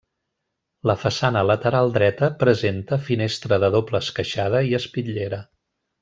La façana lateral dreta presenta finestra de doble esqueixada i espitllera.